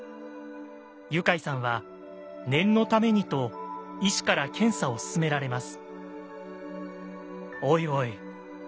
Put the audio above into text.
ユカイさんは念のためにと医師から検査を勧められます。